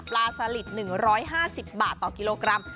สลิด๑๕๐บาทต่อกิโลกรัม